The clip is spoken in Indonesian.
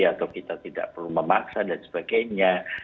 atau kita tidak perlu memaksa dan sebagainya